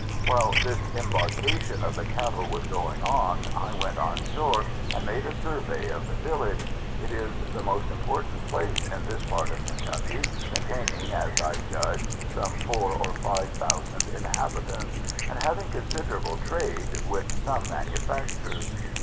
While this embarkation of the cattle was going on, I went on shore and took a survey of the village. It is the most important place in this part of Kentucky, containing, as I judged, some four or five thousand inhabitants, and having considerable trade, with some manufactures.